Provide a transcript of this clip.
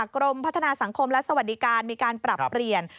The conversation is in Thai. กรมพัฒนาสังคมและสวัสดิการมีการปรับเปลี่ยน